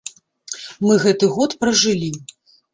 Мы гэты год пражылі.